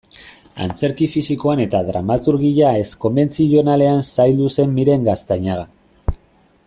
Antzerki fisikoan eta dramaturgia ez-konbentzionaletan zaildu zen Miren Gaztañaga.